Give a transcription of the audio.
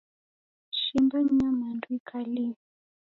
Shimba ni nyamandu ikalie.